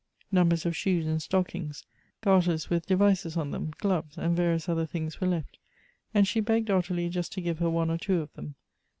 Num bers of shoes and stockings, garters with devices on them, gloves, and various other things were left, and she begged OttiTie just to give her one or two of them.